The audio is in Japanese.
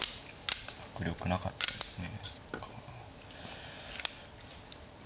迫力なかったですね。